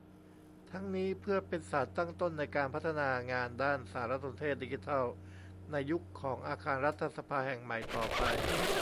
ทั้งนี้เพื่อเป็นสารตั้งต้น ในการพัฒนางานด้านสารสนเทศดิจิทัล ในยุคของอาคารรัฐสภาแห่งใหม่ต่อไป